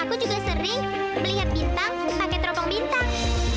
aku juga sering melihat bintang pakai teropong bintang